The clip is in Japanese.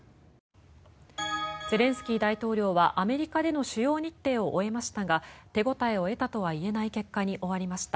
ゼレンスキー大統領はアメリカでの主要日程を終えましたが手応えを得たとは言えない結果に終わりました。